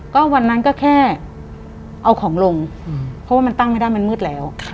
ก็วันนั้นก็แค่เอาของลงเพราะว่ามันตั้งไม่ได้มันมืดแล้ว